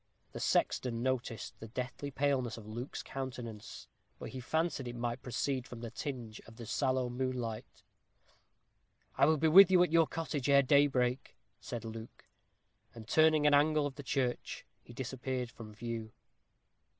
The sexton noticed the deathly paleness of Luke's countenance, but he fancied it might proceed from the tinge of the sallow moonlight. "I will be with you at your cottage ere daybreak," said Luke. And turning an angle of the church, he disappeared from view.